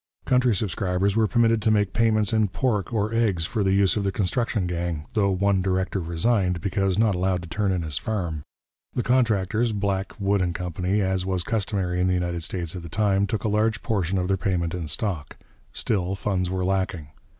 Country subscribers were permitted to make payments in pork or eggs for the use of the construction gang, though one director resigned because not allowed to turn in his farm. The contractors, Black, Wood and Company, as was customary in the United States at the time, took a large portion of their payment in stock. Still, funds were lacking.